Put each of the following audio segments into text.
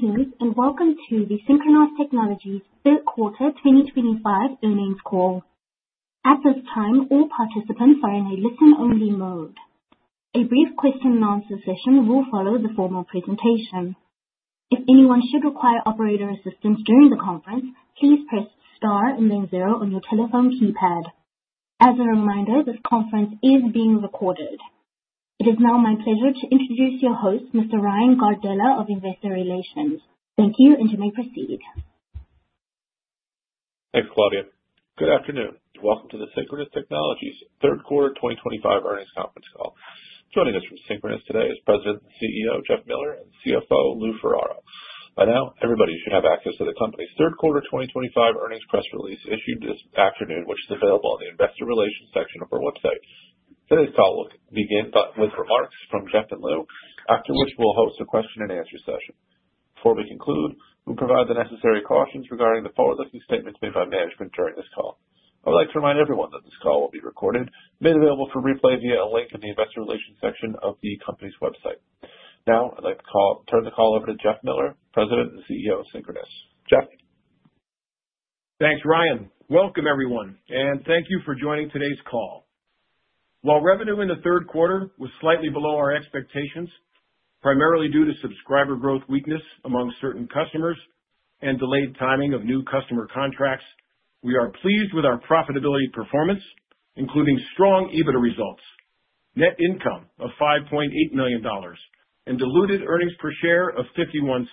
Good evening and welcome to the Synchronoss Technologies Third Quarter 2025 Earnings Call. At this time, all participants are in a listen-only mode. A brief question-and-answer session will follow the formal presentation. If anyone should require operator assistance during the conference, please press star and then zero on your telephone keypad. As a reminder, this conference is being recorded. It is now my pleasure to introduce your host, Mr. Ryan Gardella of Investor Relations. Thank you, and you may proceed. Thanks, Claudia. Good afternoon. Welcome to the Synchronoss Technologies Third Quarter 2025 Earnings Conference Call. Joining us from Synchronoss today is President and CEO Jeff Miller and CFO Lou Ferraro. By now, everybody should have access to the company's third quarter 2025 earnings press release issued this afternoon, which is available in the Investor Relations section of our website. Today's call will begin with remarks from Jeff and Lou, after which we'll host a question-and-answer session. Before we conclude, we provide the necessary cautions regarding the forward-looking statements made by management during this call. I would like to remind everyone that this call will be recorded and made available for replay via a link in the investor relations section of the company's website. Now, I'd like to turn the call over to Jeff Miller, President and CEO of Synchronoss. Jeff. Thanks, Ryan. Welcome, everyone, and thank you for joining today's call. While revenue in the third quarter was slightly below our expectations, primarily due to subscriber growth weakness among certain customers and delayed timing of new customer contracts, we are pleased with our profitability performance, including strong EBITDA results, net income of $5.8 million, and diluted earnings per share of $0.51.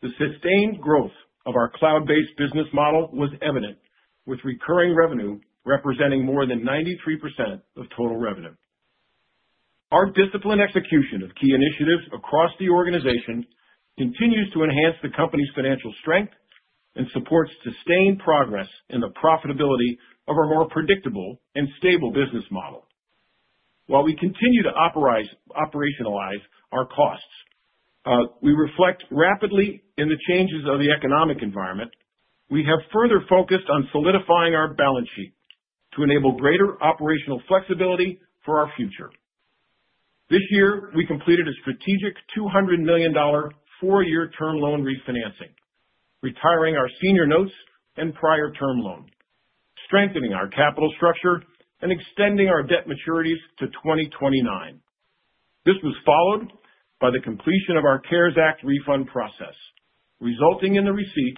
The sustained growth of our cloud-based business model was evident, with recurring revenue representing more than 93% of total revenue. Our disciplined execution of key initiatives across the organization continues to enhance the company's financial strength and supports sustained progress in the profitability of our more predictable and stable business model. While we continue to operationalize our costs, we react rapidly to the changes in the economic environment, we have further focused on solidifying our balance sheet to enable greater operational flexibility for our future. This year, we completed a strategic $200 million four-year term loan refinancing, retiring our senior notes and prior term loan, strengthening our capital structure, and extending our debt maturities to 2029. This was followed by the completion of our CARES Act refund process, resulting in the receipt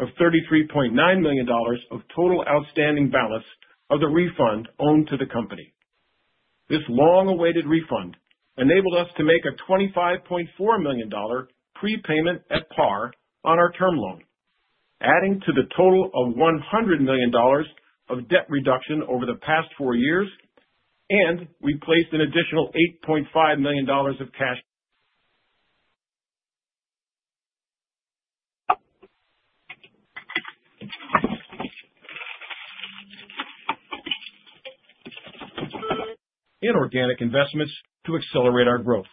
of $33.9 million of total outstanding balance of the refund owed to the company. This long-awaited refund enabled us to make a $25.4 million prepayment at par on our term loan, adding to the total of $100 million of debt reduction over the past four years, and we placed an additional $8.5 million of cash in organic investments to accelerate our growth.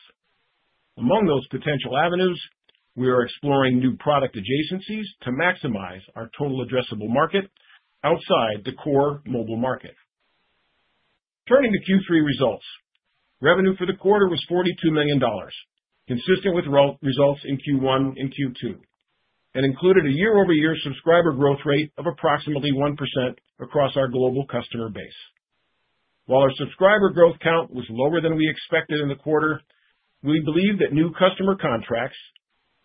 Among those potential avenues, we are exploring new product adjacencies to maximize our total addressable market outside the core mobile market. Turning to Q3 results, revenue for the quarter was $42 million, consistent with results in Q1 and Q2, and included a year-over-year subscriber growth rate of approximately 1% across our global customer base. While our subscriber growth count was lower than we expected in the quarter, we believe that new customer contracts,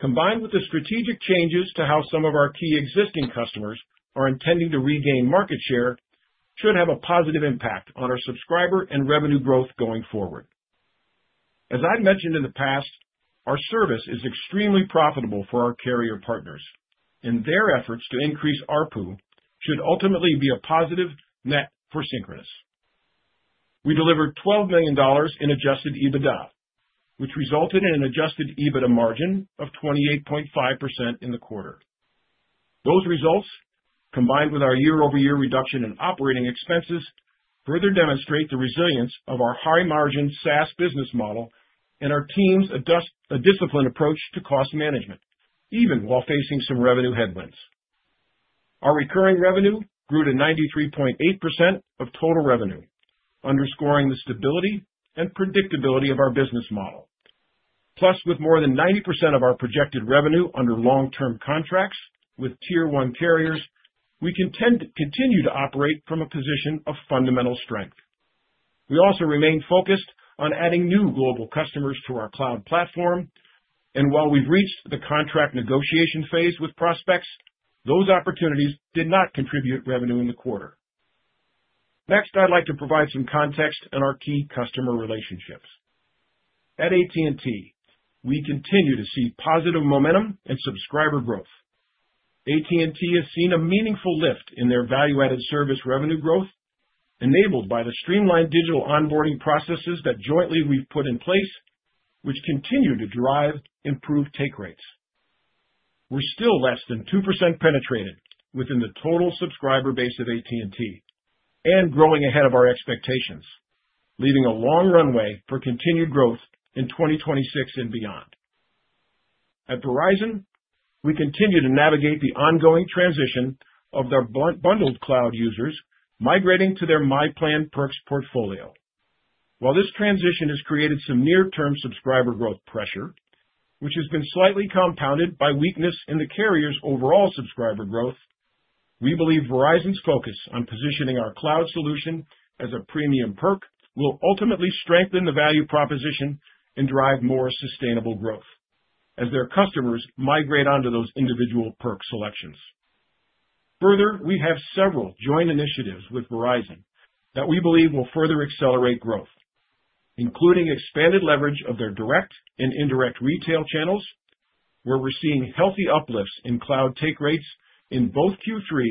combined with the strategic changes to how some of our key existing customers are intending to regain market share, should have a positive impact on our subscriber and revenue growth going forward. As I've mentioned in the past, our service is extremely profitable for our carrier partners, and their efforts to increase ARPU should ultimately be a positive net for Synchronoss. We delivered $12 million in adjusted EBITDA, which resulted in an adjusted EBITDA margin of 28.5% in the quarter. Those results, combined with our year-over-year reduction in operating expenses, further demonstrate the resilience of our high-margin SaaS business model and our team's disciplined approach to cost management, even while facing some revenue headwinds. Our recurring revenue grew to 93.8% of total revenue, underscoring the stability and predictability of our business model. Plus, with more than 90% of our projected revenue under long-term contracts with tier-one carriers, we can continue to operate from a position of fundamental strength. We also remain focused on adding new global customers to our cloud platform, and while we've reached the contract negotiation phase with prospects, those opportunities did not contribute revenue in the quarter. Next, I'd like to provide some context on our key customer relationships. At AT&T, we continue to see positive momentum and subscriber growth. AT&T has seen a meaningful lift in their value-added service revenue growth, enabled by the streamlined digital onboarding processes that jointly we've put in place, which continue to drive improved take rates. We're still less than 2% penetrated within the total subscriber base of AT&T and growing ahead of our expectations, leaving a long runway for continued growth in 2026 and beyond. At Verizon, we continue to navigate the ongoing transition of their bundled cloud users migrating to their myPlan Perks portfolio. While this transition has created some near-term subscriber growth pressure, which has been slightly compounded by weakness in the carrier's overall subscriber growth, we believe Verizon's focus on positioning our cloud solution as a premium perk will ultimately strengthen the value proposition and drive more sustainable growth as their customers migrate onto those individual perk selections. Further, we have several joint initiatives with Verizon that we believe will further accelerate growth, including expanded leverage of their direct and indirect retail channels, where we're seeing healthy uplifts in cloud take rates in both Q3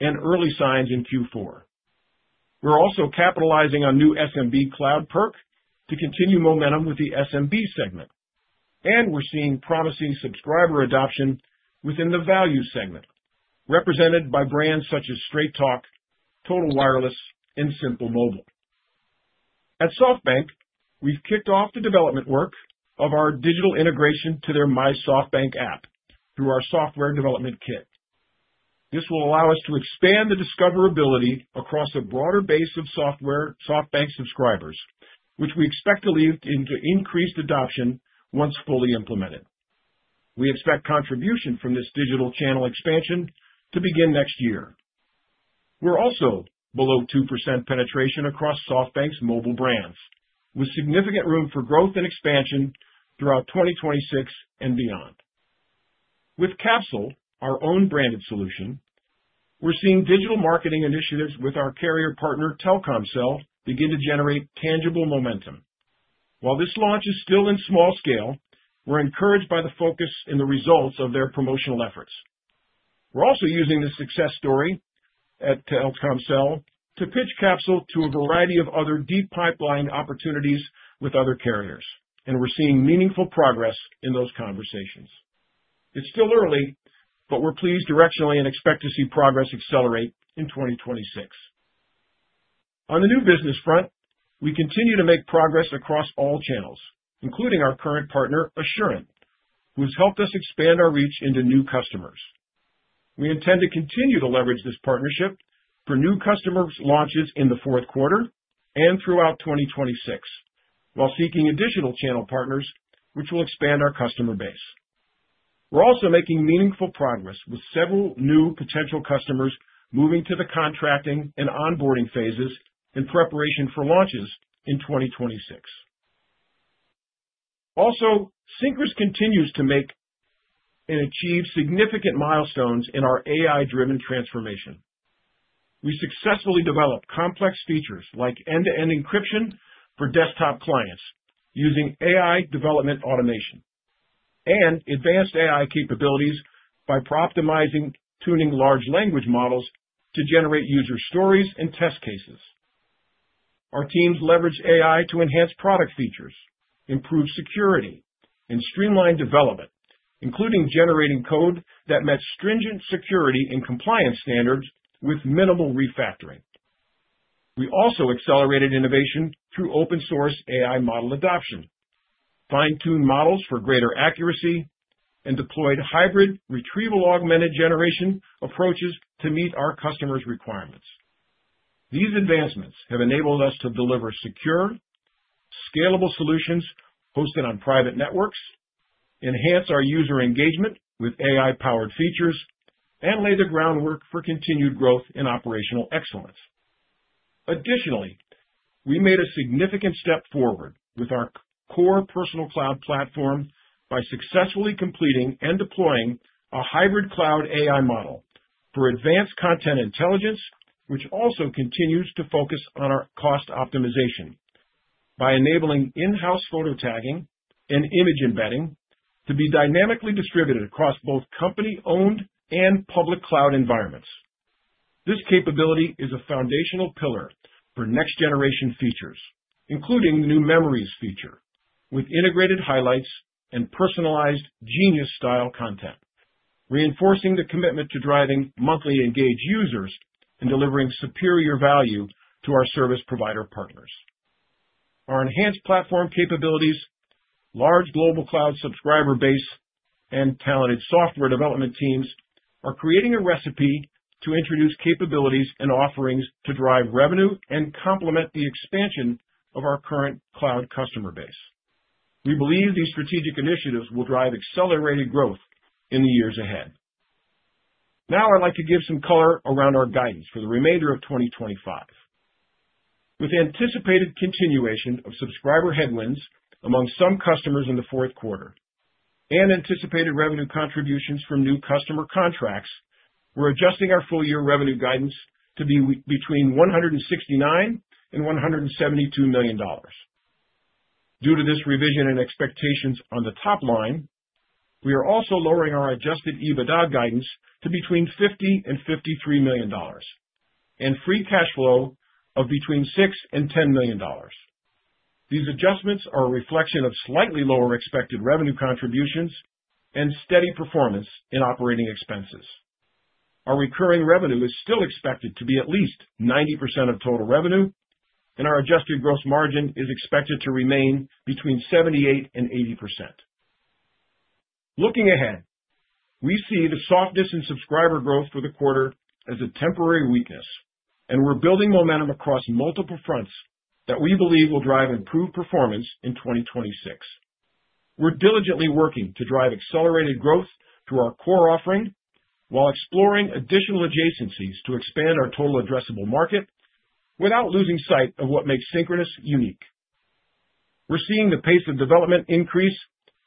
and early signs in Q4. We're also capitalizing on new SMB cloud perk to continue momentum with the SMB segment, and we're seeing promising subscriber adoption within the value segment, represented by brands such as Straight Talk, Total Wireless, and Simple Mobile. At SoftBank, we've kicked off the development work of our digital integration to their My SoftBank app through our software development kit. This will allow us to expand the discoverability across a broader base of software SoftBank subscribers, which we expect to lead into increased adoption once fully implemented. We expect contribution from this digital channel expansion to begin next year. We're also below 2% penetration across SoftBank's mobile brands, with significant room for growth and expansion throughout 2026 and beyond. With Capsyl, our own branded solution, we're seeing digital marketing initiatives with our carrier partner Telkomsel begin to generate tangible momentum. While this launch is still in small scale, we're encouraged by the focus in the results of their promotional efforts. We're also using the success story at Telkomsel to pitch Capsyl to a variety of other deep pipeline opportunities with other carriers, and we're seeing meaningful progress in those conversations. It's still early, but we're pleased directionally and expect to see progress accelerate in 2026. On the new business front, we continue to make progress across all channels, including our current partner, Assurant, who has helped us expand our reach into new customers. We intend to continue to leverage this partnership for new customer launches in the fourth quarter and throughout 2026, while seeking additional channel partners, which will expand our customer base. We're also making meaningful progress with several new potential customers moving to the contracting and onboarding phases in preparation for launches in 2026. Also, Synchronoss continues to make and achieve significant milestones in our AI-driven transformation. We successfully developed complex features like end-to-end encryption for desktop clients using AI development automation and advanced AI capabilities by optimizing tuning large language models to generate user stories and test cases. Our teams leverage AI to enhance product features, improve security, and streamline development, including generating code that met stringent security and compliance standards with minimal refactoring. We also accelerated innovation through open-source AI model adoption, fine-tuned models for greater accuracy, and deployed hybrid retrieval-augmented generation approaches to meet our customers' requirements. These advancements have enabled us to deliver secure, scalable solutions hosted on private networks, enhance our user engagement with AI-powered features, and lay the groundwork for continued growth in operational excellence. Additionally, we made a significant step forward with our core Personal Cloud platform by successfully completing and deploying a hybrid cloud AI model for advanced content intelligence, which also continues to focus on our cost optimization by enabling in-house photo tagging and image embedding to be dynamically distributed across both company-owned and public cloud environments. This capability is a foundational pillar for next-generation features, including the new Memories feature with integrated highlights and personalized genius-style content, reinforcing the commitment to driving monthly engaged users and delivering superior value to our service provider partners. Our enhanced platform capabilities, large global cloud subscriber base, and talented software development teams are creating a recipe to introduce capabilities and offerings to drive revenue and complement the expansion of our current cloud customer base. We believe these strategic initiatives will drive accelerated growth in the years ahead. Now, I'd like to give some color around our guidance for the remainder of 2025. With anticipated continuation of subscriber headwinds among some customers in the fourth quarter and anticipated revenue contributions from new customer contracts, we're adjusting our full-year revenue guidance to be between $169 million and $172 million. Due to this revision and expectations on the top line, we are also lowering our adjusted EBITDA guidance to between $50 million and $53 million and free cash flow of between $6 million and $10 million. These adjustments are a reflection of slightly lower expected revenue contributions and steady performance in operating expenses. Our recurring revenue is still expected to be at least 90% of total revenue, and our adjusted gross margin is expected to remain between 78% and 80%. Looking ahead, we see the softness in subscriber growth for the quarter as a temporary weakness, and we're building momentum across multiple fronts that we believe will drive improved performance in 2026. We're diligently working to drive accelerated growth through our core offering while exploring additional adjacencies to expand our total addressable market without losing sight of what makes Synchronoss unique. We're seeing the pace of development increase,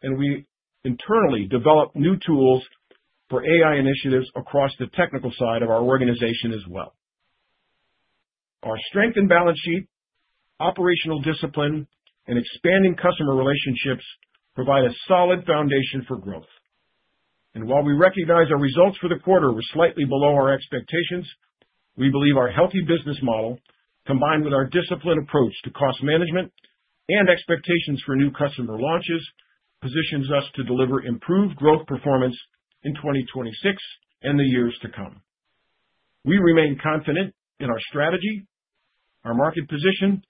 and we internally develop new tools for AI initiatives across the technical side of our organization as well. Our strength and balance sheet, operational discipline, and expanding customer relationships provide a solid foundation for growth. While we recognize our results for the quarter were slightly below our expectations, we believe our healthy business model, combined with our disciplined approach to cost management and expectations for new customer launches, positions us to deliver improved growth performance in 2026 and the years to come. We remain confident in our strategy, our market position,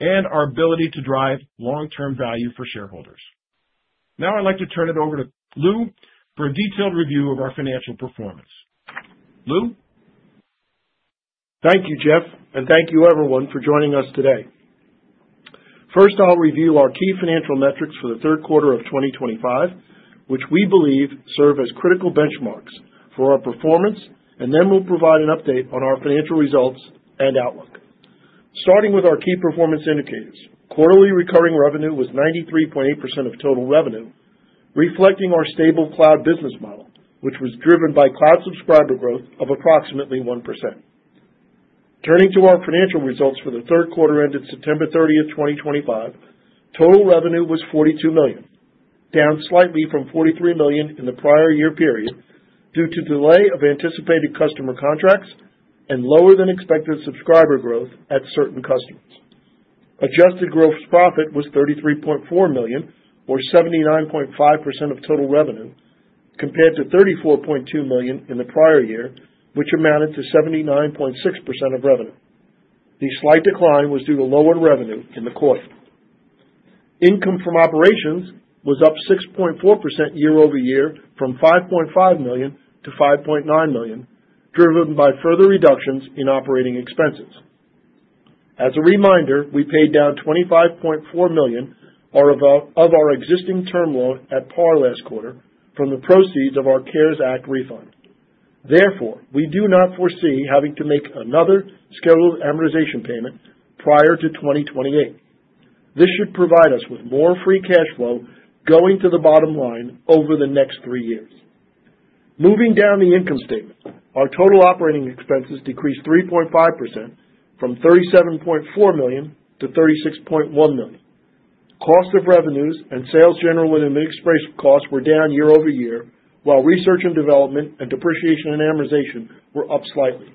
and our ability to drive long-term value for shareholders. Now, I'd like to turn it over to Lou for a detailed review of our financial performance. Lou? Thank you, Jeff, and thank you, everyone, for joining us today. First, I'll review our key financial metrics for the third quarter of 2025, which we believe serve as critical benchmarks for our performance, and then we'll provide an update on our financial results and outlook. Starting with our key performance indicators, quarterly recurring revenue was 93.8% of total revenue, reflecting our stable cloud business model, which was driven by cloud subscriber growth of approximately 1%. Turning to our financial results for the third quarter ended September 30, 2025, total revenue was $42 million, down slightly from $43 million in the prior year period due to delay of anticipated customer contracts and lower than expected subscriber growth at certain customers. Adjusted gross profit was $33.4 million, or 79.5% of total revenue, compared to $34.2 million in the prior year, which amounted to 79.6% of revenue. The slight decline was due to lower revenue in the quarter. Income from operations was up 6.4% year-over-year, from $5.5 million-$5.9 million, driven by further reductions in operating expenses. As a reminder, we paid down $25.4 million of our existing term loan at par last quarter from the proceeds of our CARES Act refund. Therefore, we do not foresee having to make another scheduled amortization payment prior to 2028. This should provide us with more free cash flow going to the bottom line over the next three years. Moving down the income statement, our total operating expenses decreased 3.5% from $37.4 million to $36.1 million. Cost of revenues and sales, general, and administrative costs were down year-over-year, while research and development and depreciation and amortization were up slightly.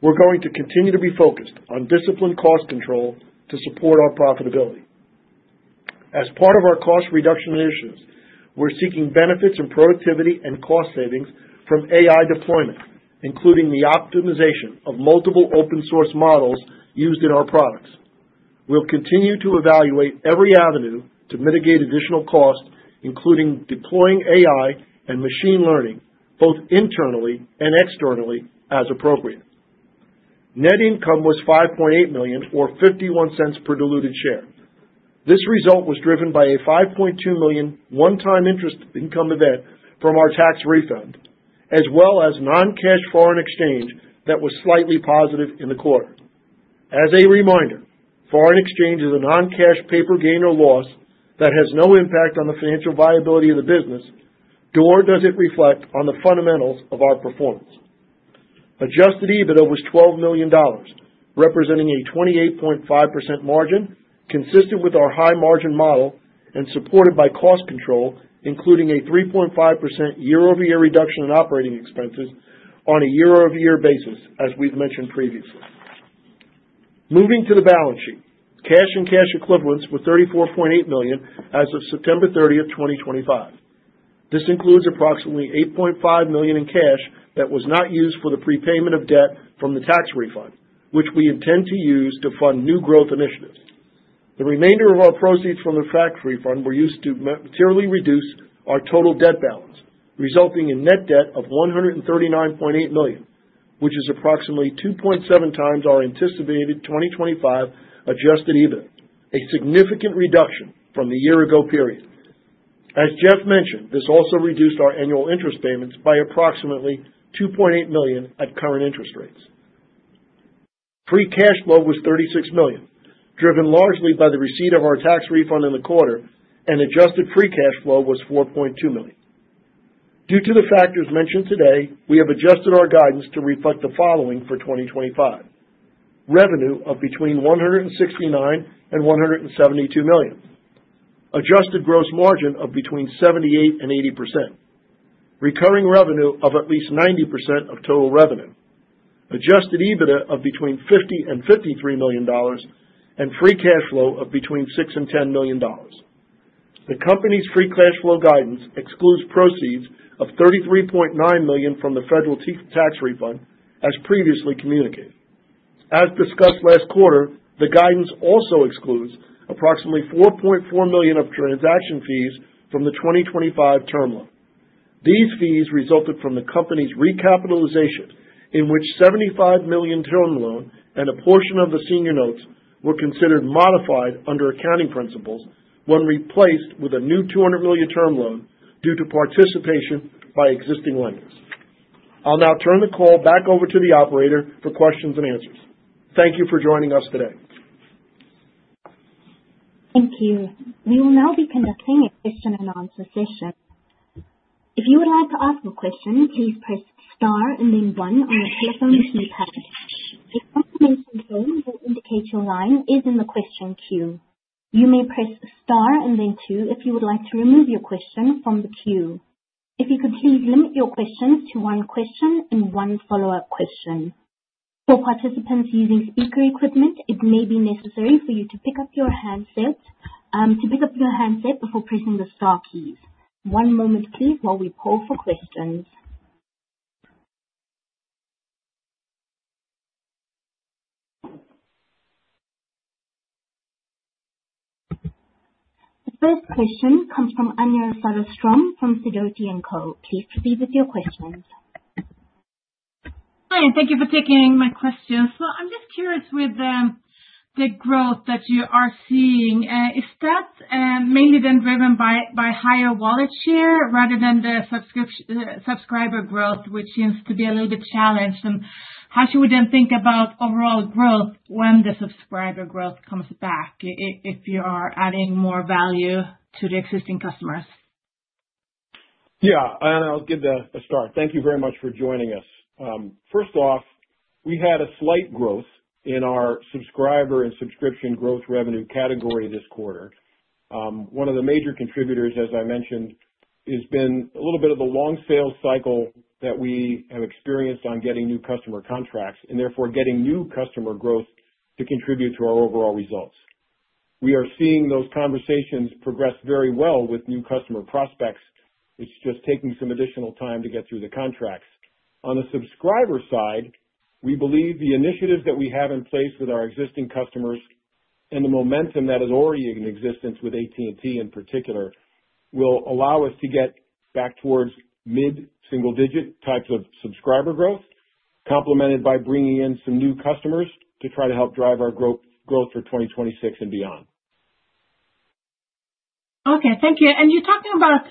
We're going to continue to be focused on disciplined cost control to support our profitability. As part of our cost reduction initiatives, we're seeking benefits in productivity and cost savings from AI deployment, including the optimization of multiple open-source models used in our products. We'll continue to evaluate every avenue to mitigate additional cost, including deploying AI and machine learning, both internally and externally as appropriate. Net income was $5.8 million, or $0.51 per diluted share. This result was driven by a $5.2 million one-time interest income event from our tax refund, as well as non-cash foreign exchange that was slightly positive in the quarter. As a reminder, foreign exchange is a non-cash paper gain or loss that has no impact on the financial viability of the business, nor does it reflect on the fundamentals of our performance. Adjusted EBITDA was $12 million, representing a 28.5% margin, consistent with our high-margin model and supported by cost control, including a 3.5% year-over-year reduction in operating expenses on a year-over-year basis, as we've mentioned previously. Moving to the balance sheet, cash and cash equivalents were $34.8 million as of September 30, 2025. This includes approximately $8.5 million in cash that was not used for the prepayment of debt from the tax refund, which we intend to use to fund new growth initiatives. The remainder of our proceeds from the tax refund were used to materially reduce our total debt balance, resulting in net debt of $139.8 million, which is approximately 2.7x our anticipated 2025 adjusted EBITDA, a significant reduction from the year-ago period. As Jeff mentioned, this also reduced our annual interest payments by approximately $2.8 million at current interest rates. Free cash flow was $36 million, driven largely by the receipt of our tax refund in the quarter, and adjusted free cash flow was $4.2 million. Due to the factors mentioned today, we have adjusted our guidance to reflect the following for 2025: revenue of between $169 million and $172 million, adjusted gross margin of between 78% and 80%, recurring revenue of at least 90% of total revenue, adjusted EBITDA of between $50 million and $53 million, and free cash flow of between $6 million and $10 million. The company's free cash flow guidance excludes proceeds of $33.9 million from the federal tax refund, as previously communicated. As discussed last quarter, the guidance also excludes approximately $4.4 million of transaction fees from the 2025 term loan. These fees resulted from the company's recapitalization, in which $75 million term loan and a portion of the senior notes were considered modified under accounting principles when replaced with a new $200 million term loan due to participation by existing lenders. I'll now turn the call back over to the operator for questions and answers. Thank you for joining us today. Thank you. We will now be conducting a question-and-answer session. If you would like to ask a question, please press star and then one on your telephone keypad. If someone mentions your name or indicates your line is in the question queue, you may press star and then two if you would like to remove your question from the queue. If you could please limit your questions to one question and one follow-up question. For participants using speaker equipment, it may be necessary for you to pick up your handset before pressing the star keys. One moment, please, while we poll for questions. The first question comes from Anja Soderstrom from Sidoti & Co. Please proceed with your questions. Hi, and thank you for taking my question. I'm just curious with the growth that you are seeing. Is that mainly then driven by higher wallet share rather than the subscriber growth, which seems to be a little bit challenged? And how should we then think about overall growth when the subscriber growth comes back if you are adding more value to the existing customers? Yeah, Anja, I'll give that a start. Thank you very much for joining us. First off, we had a slight growth in our subscriber and subscription growth revenue category this quarter. One of the major contributors, as I mentioned, has been a little bit of the long sales cycle that we have experienced on getting new customer contracts and therefore getting new customer growth to contribute to our overall results. We are seeing those conversations progress very well with new customer prospects. It's just taking some additional time to get through the contracts. On the subscriber side, we believe the initiatives that we have in place with our existing customers and the momentum that is already in existence with AT&T in particular will allow us to get back towards mid-single-digit types of subscriber growth, complemented by bringing in some new customers to try to help drive our growth for 2026 and beyond. Okay, thank you. And you're talking about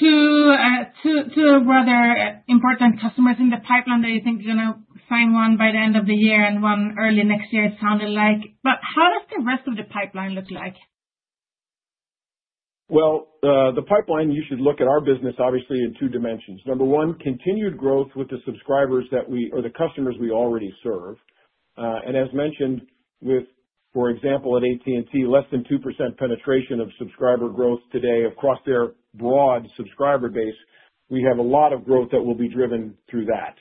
two rather important customers in the pipeline that you think you're going to sign one by the end of the year and one early next year, it sounded like. But how does the rest of the pipeline look like? Well, the pipeline, you should look at our business, obviously, in two dimensions. Number one, continued growth with the subscribers that we or the customers we already serve. And as mentioned with, for example, at AT&T, less than 2% penetration of subscriber growth today across their broad subscriber base, we have a lot of growth that will be driven through that.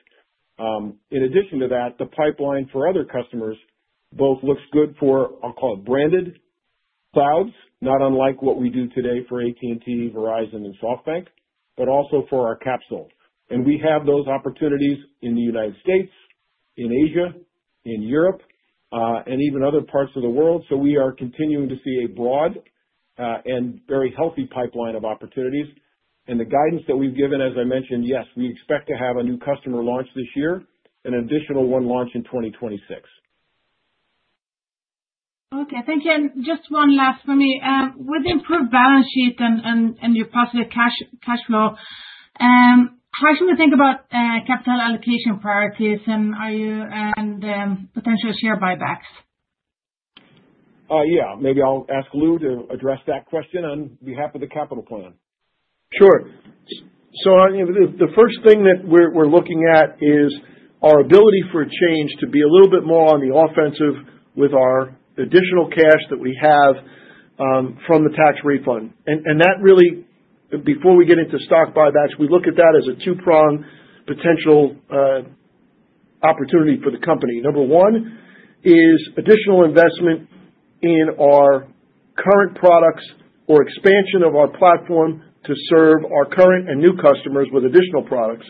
In addition to that, the pipeline for other customers both looks good for, I'll call it, branded clouds, not unlike what we do today for AT&T, Verizon, and SoftBank, but also for our Capsyl. And we have those opportunities in the United States, in Asia, in Europe, and even other parts of the world. So we are continuing to see a broad and very healthy pipeline of opportunities. And the guidance that we've given, as I mentioned, yes, we expect to have a new customer launch this year and an additional one launch in 2026. Okay, thank you. And just one last for me. With the improved balance sheet and your positive cash flow, how should we think about capital allocation priorities and potential share buybacks? Yeah, maybe I'll ask Lou to address that question on behalf of the capital plan. Sure. So the first thing that we're looking at is our ability to change to be a little bit more on the offensive with our additional cash that we have from the tax refund. And that really, before we get into stock buybacks, we look at that as a two-pronged potential opportunity for the company. Number one is additional investment in our current products or expansion of our platform to serve our current and new customers with additional products,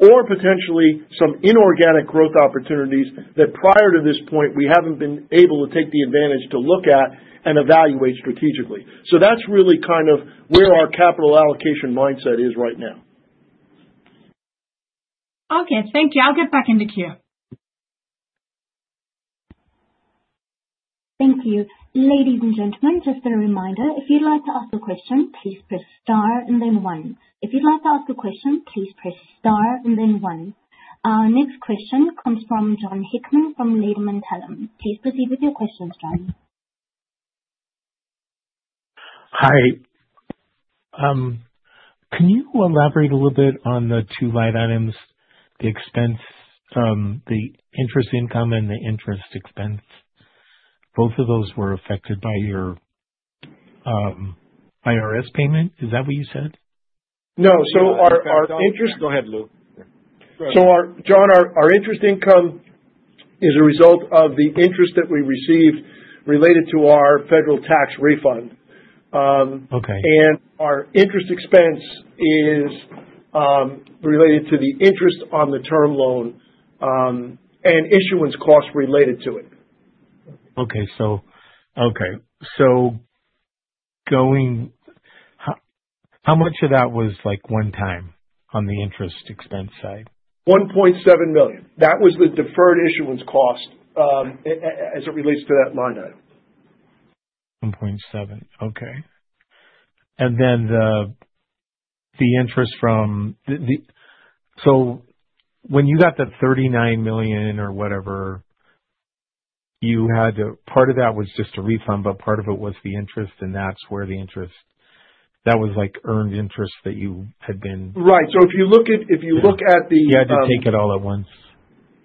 or potentially some inorganic growth opportunities that prior to this point, we haven't been able to take advantage to look at and evaluate strategically. So that's really kind of where our capital allocation mindset is right now. Okay, thank you. I'll get back into queue. Thank you. Ladies and gentlemen, just a reminder, if you'd like to ask a question, please press star and then one. If you'd like to ask a question, please press star and then one. Our next question comes from Jon Hickman from Ladenburg Thalmann. Please proceed with your questions, Jon. Hi. Can you elaborate a little bit on the two line items, the expense, the interest income, and the interest expense? Both of those were affected by your IRS payment. Is that what you said? No. So our interest, go ahead, Lou. So Jon, our interest income is a result of the interest that we received related to our federal tax refund. Our interest expense is related to the interest on the term loan and issuance costs related to it. Okay. So how much of that was one time on the interest expense side? $1.7 million. That was the deferred issuance cost as it relates to that line item. $1.7 million. Okay. And then the interest from, so when you got that $39 million or whatever, you had to, part of that was just a refund, but part of it was the interest, and that's where the interest, that was earned interest that you had been? Right. So if you look at the- Yeah, I had to take it all at once.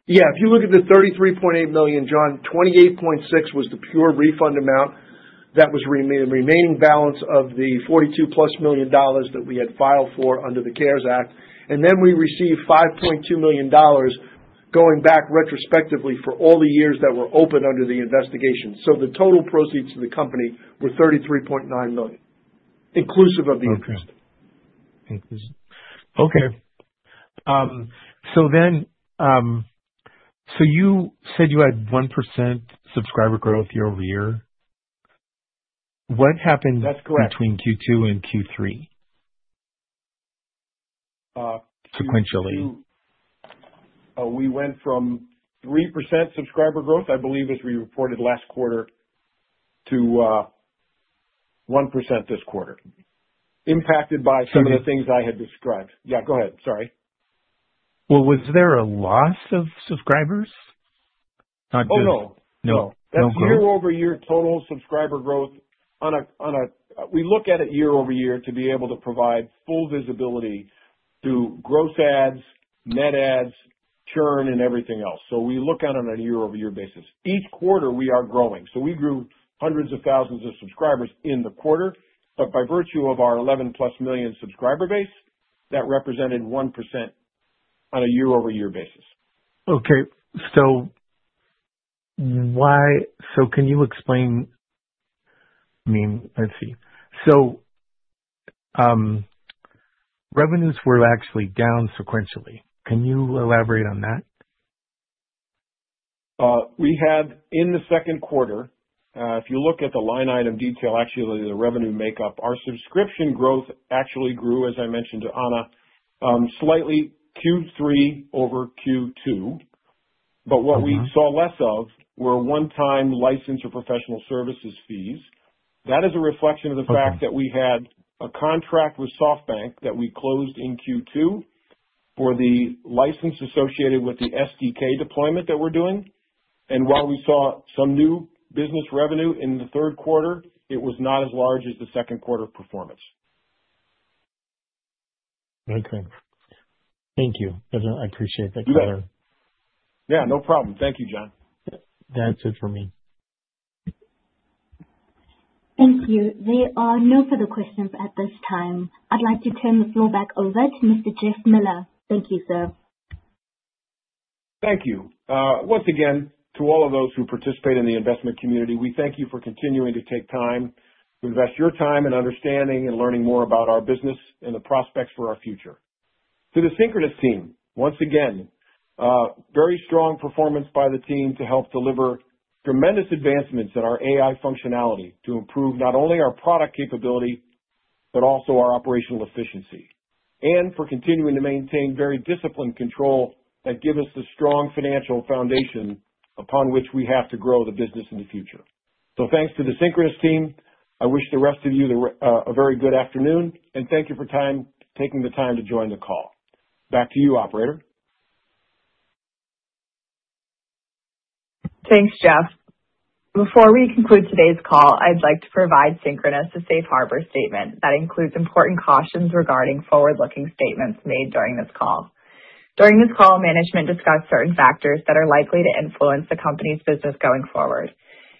Yeah. If you look at the $33.8 million, Jon, $28.6 was the pure refund amount that was remaining balance of the $42 million+ that we had filed for under the CARES Act.And then we received $5.2 million going back retrospectively for all the years that were open under the investigation. So the total proceeds to the company were $33.9 million, inclusive of the interest. Okay. So you said you had 1% subscriber growth year-over-year. What happened between Q2 and Q3 sequentially? We went from 3% subscriber growth, I believe, as we reported last quarter, to 1% this quarter, impacted by some of the things I had described. Yeah, go ahead. Sorry. Well, was there a loss of subscribers? Oh, no. No. That's year-over-year total subscriber growth. We look at it year-over-year to be able to provide full visibility through gross adds, net adds, churn, and everything else. So we look at it on a year-over-year basis. Each quarter, we are growing. So we grew hundreds of thousands of subscribers in the quarter. But by virtue of our 11 million+ subscriber base, that represented 1% on a year-over-year basis. Okay. So can you explain, I mean, let's see. So revenues were actually down sequentially. Can you elaborate on that? We had, in the second quarter, if you look at the line item detail, actually the revenue makeup, our subscription growth actually grew, as I mentioned to Anja, slightly Q3 over Q2. But what we saw less of were one-time license or professional services fees. That is a reflection of the fact that we had a contract with SoftBank that we closed in Q2 for the license associated with the SDK deployment that we're doing. And while we saw some new business revenue in the third quarter, it was not as large as the second quarter performance. Okay. Thank you. I appreciate that color. Yeah. No problem. Thank you, Jon. That's it for me. Thank you. There are no further questions at this time. I'd like to turn the floor back over to Mr. Jeff Miller. Thank you, sir. Thank you. Once again, to all of those who participate in the investment community, we thank you for continuing to take time to invest your time and understanding and learning more about our business and the prospects for our future. To the Synchronoss team, once again, very strong performance by the team to help deliver tremendous advancements in our AI functionality to improve not only our product capability but also our operational efficiency, and for continuing to maintain very disciplined control that gives us the strong financial foundation upon which we have to grow the business in the future. So thanks to the Synchronoss team. I wish the rest of you a very good afternoon, and thank you for taking the time to join the call. Back to you, operator. Thanks, Jeff. Before we conclude today's call, I'd like to provide Synchronoss a safe harbor statement that includes important cautions regarding forward-looking statements made during this call. During this call, management discussed certain factors that are likely to influence the company's business going forward.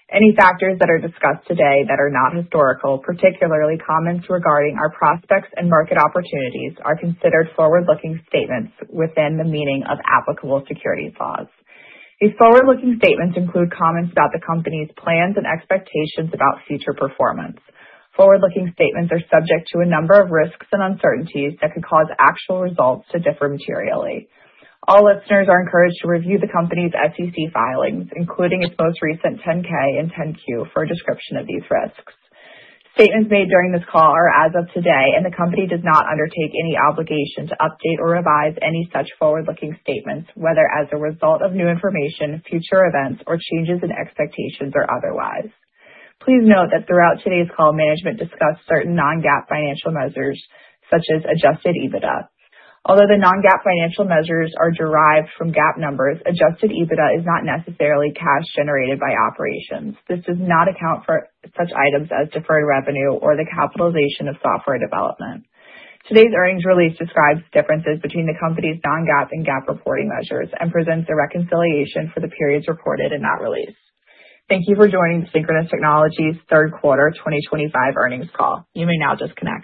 Any factors that are discussed today that are not historical, particularly comments regarding our prospects and market opportunities, are considered forward-looking statements within the meaning of applicable securities laws. These forward-looking statements include comments about the company's plans and expectations about future performance. Forward-looking statements are subject to a number of risks and uncertainties that could cause actual results to differ materially. All listeners are encouraged to review the company's SEC filings, including its most recent 10-K and 10-Q, for a description of these risks. Statements made during this call are as of today, and the company does not undertake any obligation to update or revise any such forward-looking statements, whether as a result of new information, future events, or changes in expectations, or otherwise. Please note that throughout today's call, management discussed certain non-GAAP financial measures, such as Adjusted EBITDA. Although the non-GAAP financial measures are derived from GAAP numbers, Adjusted EBITDA is not necessarily cash generated by operations. This does not account for such items as deferred revenue or the capitalization of software development. Today's earnings release describes the differences between the company's non-GAAP and GAAP reporting measures and presents a reconciliation for the periods reported in that release. Thank you for joining the Synchronoss Technologies' Third Quarter 2025 Earnings Call. You may now disconnect.